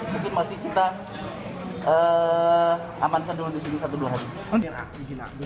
mungkin masih kita amankan dulu disini satu dua hari